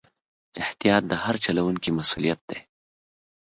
احتیاط د هر چلوونکي مسؤلیت دی.